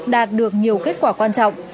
đạt được nhiều kết quả quan trọng